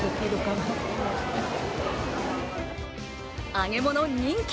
揚げ物人気